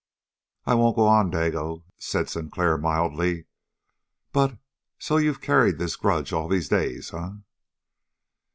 "I won't go on, Dago," said Sinclair mildly. "But so you've carried this grudge all these days, eh?"